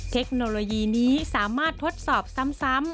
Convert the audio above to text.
เทคโนโลยีนี้สามารถทดสอบซ้ำ